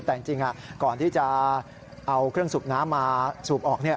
แต่จริงก่อนที่จะเอาเครื่องสูบน้ำมาสูบออก